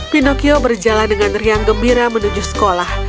pinocchio berjalan dengan riang gembira menuju sekolah